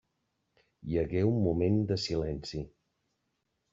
Hi hagué un moment de silenci.